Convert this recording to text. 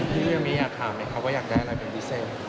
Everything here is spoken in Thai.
พี่ยังไม่ได้อยากถามไหมครับว่าอยากได้อะไรเป็นพิเศษ